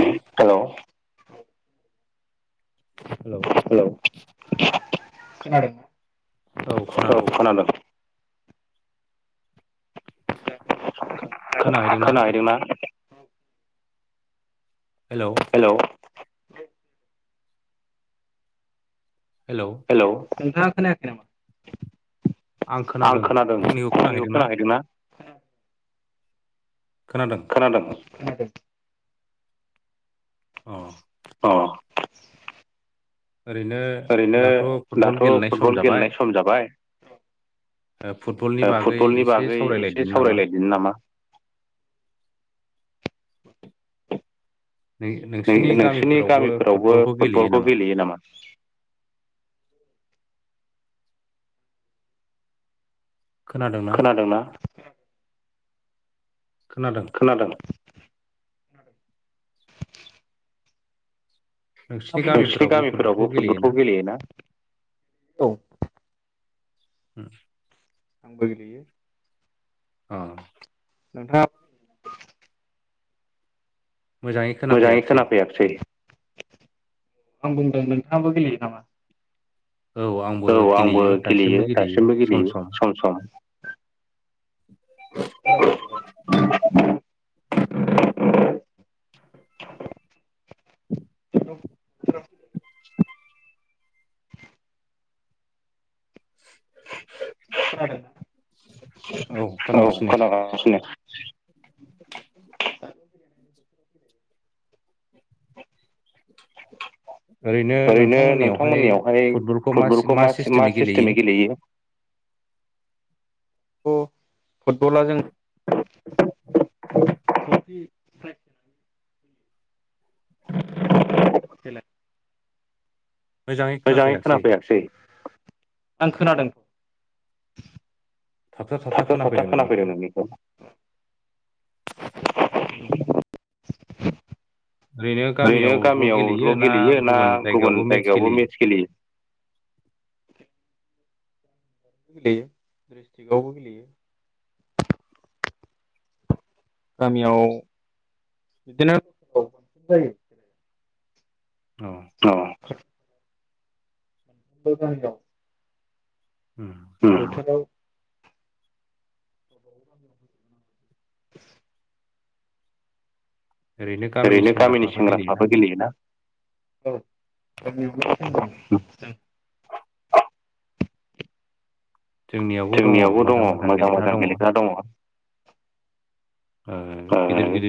हेल' औ हेल' खोनादों? औ खोनादों। [unintelligible] खोनाहैदोंना? हेल'? हेल'? नोंथां। खोनायाखै नामा? आं खोनादों आंनिखौ खोनाहैदोंना? होम। खोनादों? खोनादों। अ। ओरैनो दाथ फुटबल गेलेनाय सम जाबाय औ ओ फुटबलनि बागै एसे सावरायलायदोनि नामा नों नोंसोरनि गामिफोरावबो फुटबलखौ गेलेयो नामा खोनादोंना खोनादों नोंसिनि गामिफोरावबो फुटबलखौ गेलेयोना औ [inaudible] बो गेलेयो अ नोंथाङा मोजाङै खोनाफैयाखैसै आं बुंदों नोंथाङाबो गेलेयो नामा औ आंबो गेलेयो दासिमबो गेलेयो सम सम [inaudible] खोनादों [inaudible] औ खोनागासिनो [unintelligible] ओरैनो नोंथांमोननियावहाय फुटबलखौ मा मा सिस्टेमै गेलेयो अ फुटबला जोंनि [inaudible] मोजाङै खोनाफैयाखैसै आं खोनादों थाबथा थाबथा खोना फैदों नोंनिखौ [inaudible] ओरैनो गामियावल' गेलेयो ना गुबुन जायगायावबो मेटस गेलेयो? गेलेयो डिस्ट्रिकआवबो गेलेयो गामियाव बिदिनो [inaudible] औ [inaudible] ओम [inaudible] ओरैनो गामिनि सेंग्राफ्राबो गेलेयोना? औ [inaudible] जोंनियावबो दङ मोजां मोजां गेलेग्रा दङ ओ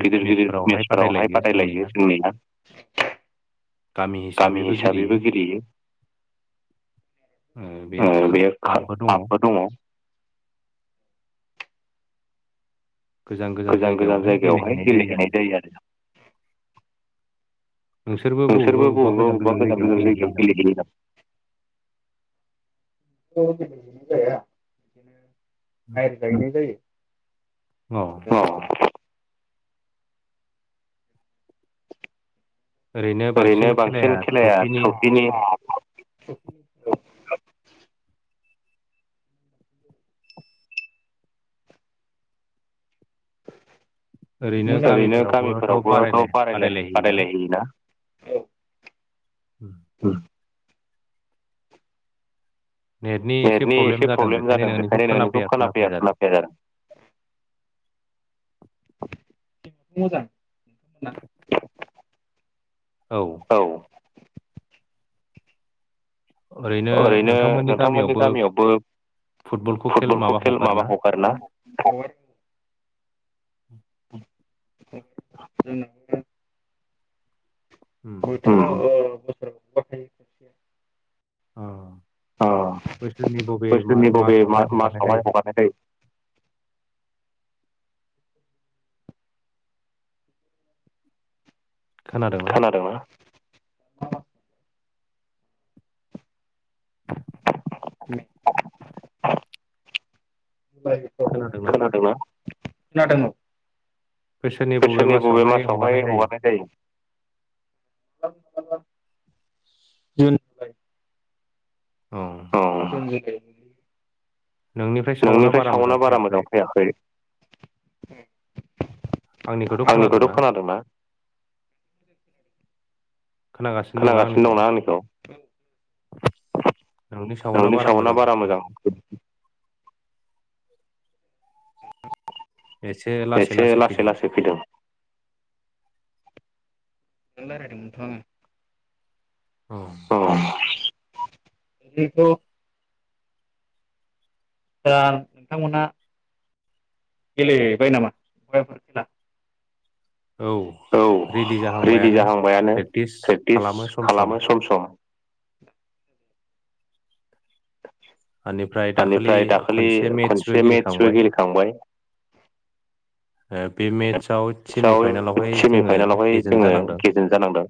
गिदिर गिदिर मेसफोरावहाय बादायलायो जोंनिया गामि हिसाबैबो गेलेयो ओ बेयो क्लाबबो दङ गोजान गोजान जायगायावहाय गेलेहैनाय जायो आरो। नोंसोरबो बबेबा बबेबा गोजान गोजान जायगायाव गेलेहैयो नामा? [inaudible] [inaudible] औ ओरैनो बांसिन खेलाया ट्रफिनि [inaudible] [inaudible] [inaudible] गामिफोरावबोथ' बादाय बादाय लायहोयो ना? उम नेटनि एसे प्रब्लेम जादों बेखायनो नोंनिखौ खोनाफैया खोनाफैया जादों। मोजां ना औ ओरैनो नोंथांमोननि गामियावबो फुटबलखौ खेल माबा हगारो ना? [inaudible] [inaudible] [inaudible] अ अ बोसोरनि बबे मा मासावहाय हगारनाय जायो। खोनादोंना? [inaudible] [inaudible] खोनादों ना खोनादों औ बोसोरनि बबे मासावहाय हगारनाय जायो जुन औ नोंनिफ्राय साउवन्दआ बारा मोजां फैयाखै आंनिखौथ' खोनादोंना? खोनागासिनो दंना आंनिखौ नोंनि सावोना बारा मोजां एसे लासै लासै फैदों जों रायलायदोमोन थ' आङो औ [inaudible] दा नोंथांमोना गेलेहैबाय नामा [inaudible] औ रेडि जाहांबायानो प्रेक्टिस खालामो सम सम [inaudible] बेनिफ्राय दाखालि खनसे मेटसबो गेलेखांबाय ओ बे मेतच साव सेमिफाइनेलावहाय जोङो गेजेन जानांदों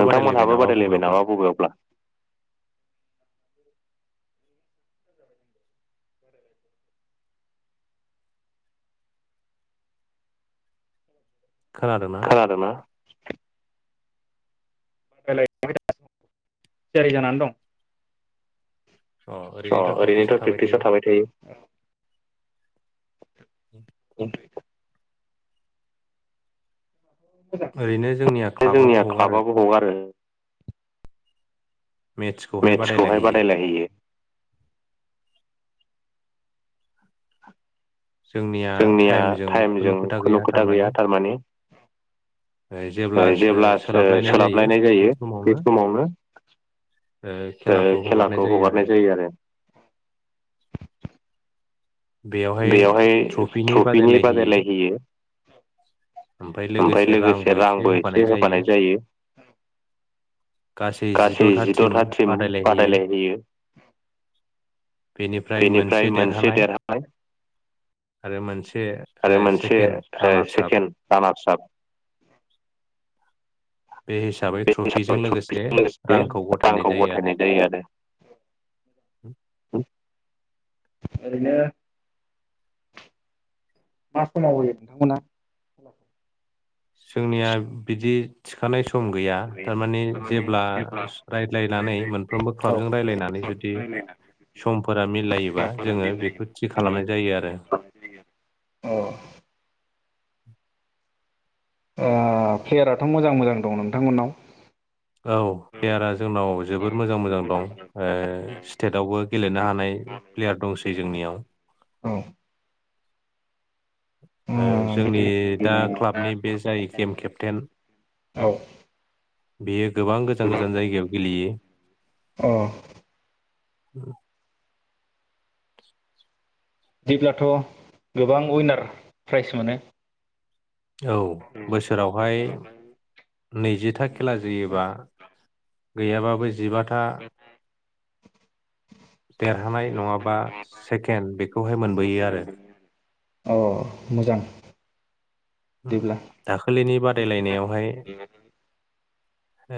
नोंथांमोनहाबो बादायलायबाय नामा बबेयावब्ला खोनादोंना? [inaudible] थियारि जानानै दं ओ ओरैनोथ' प्रेक्टिसाव थाबाय थायो। [inaudible] जोंनिया क्लाबाबो हगारहरो मेटसखौहाय बादायलायहैयो जोंनिया टाइमजों खुनु खोथा गैया थारमाने ओ जेब्लासो सोलाबलायनाय जायो बे समावनो खेलाखौ हगारनाय जायो आरो बेयावहाय ट्रफिनि बादायलायहैयो। ओमफ्राय लोगोसे रांबो एसे होफानाय जायो। गासै जिद'था टिम बादायलायहैयो। बेनिफ्राय मोनसे देरहानाय ओ आरो मोनसे ओ सेकेड रानार साब। बे हिसाबै ट्रफिजों लोगोसे रांखौ गथायनाय जायो आरो। औ। ओरैनो मा समाव होयो नोंथांमोना? जोंनिया बिदि थिखानाय स सम गैया थारमाने जेब्ला रायलायनानै मोनफ्रबो क्लाबजों रायलायनानै जुदि समफोरा मिलायोबा जोङो बेखौ थि खालामनाय जायो आरो। ओ प्लेयाराथ' मोजां मोजां दं नोंथांमोननाव। औ प्लेयारा जोंनाव जोबोर मोजां मोजां दं ओ स्टेटावबो गेलेनो हानाय प्लेयार दंसै जोंनियाव। ओ जोंनि दा क्लाबनि बे जाय गेम केप्टेन। बेयो गोबां गोजान गोजान जायगायाव गेलेयो। [unintelligible] जेब्लाथ' गोबां उइनार प्राइज मोनो। औ बोसोरावहाय नैजिथा खेला जयोबा गैयाबाबो जिबाथा देरहानाय नङाबा सेकेन्ड बेखौहाय मोनबोयो आरो। अ मोजां। उम दाखालिनि बा बादायलायनायावहाय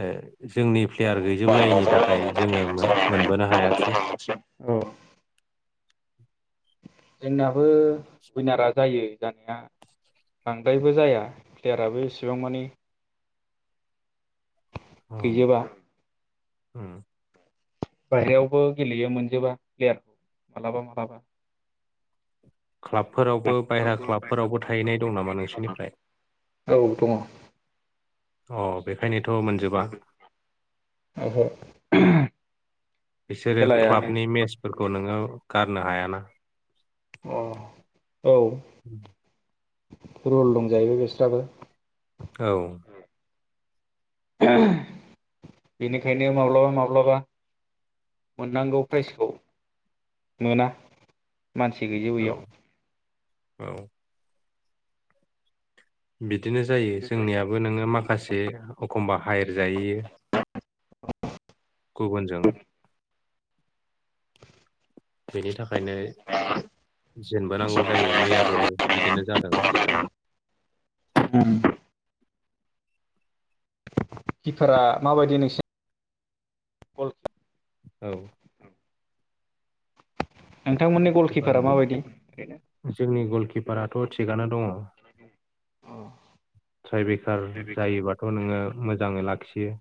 ओ जोंनि प्लेयार गैजोबलायैनि थाखाय जोङो मोन मोनबोनो हायासै। जोंनाबो उइनारा जायो जानाया बांद्रायबो जाया प्लेयाराबो इसेबां मानि गैजोबा। उम। बाहेरायावबो गेलेयो मोनजोबा प्लेयार मालाबा मालाबा। क्लाबफोरावबो बायहेरा क्लाबफोरावबो थाहैनाय दं नामा नोंसोरनिफ्राय। अ बेखायनोथ' मोनजोबा। ओहो [unintelligible] बिसोरो क्लाबनि मेस फोरखौ नोङो गारनो हायाना। रल दं जाहैबाय बेस्राबो। औ। बेनिखायनो माब्लाबा माब्लाबा मोननांगौ प्राइसखौ मोना। मानसि गैजोबैयाव। औ। बि। बिदिनो जायो जोंनियाबो नोङो माखासे। माखासे। एखमबा हायेर जाय गुबुनजों। [inaudible] बेनि थाखाय। खायनो जेनबोनांगौ जायो मैयाबो। जादों। उम। किपारा माबायदि नोंसिोरना। औ। खिपाराबो जोंनि गलकिपाराथ' थिगानो दङ'। टराय बेखार जायोबाथ' नोङो मोजाङै लाखि। दे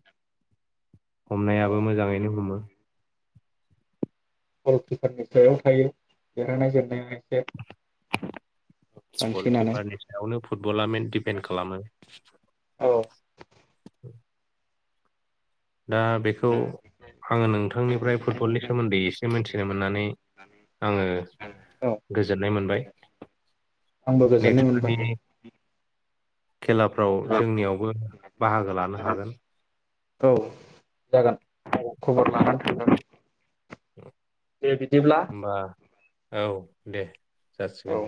हमनायाबो मोजाङैनो हमो गलकिफारनि सायाव थायो देरहानाय जेननायाव एसे गलकिपारनि सायावनो फुटबला मेन डपेन्ड खालामो औ दा बेखौ आङो नोंथांनिफ्राय फुटबलनि सोमोन्दै बे मिथिनो मोननानै आङो गोजोननाय मोनबाय नेक्स्टफोरनि खेलाफ्राव जोंनियावबो बाहागो लानो हागोन औ जागोन खबर लानानै थां [inaudible] दे बिदिब्ला औ दे जासिगोन